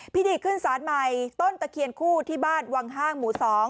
ขึ้นศาลใหม่ต้นตะเคียนคู่ที่บ้านวังห้างหมู่๒